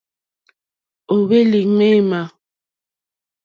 Ó hwélì̀ ŋměmà.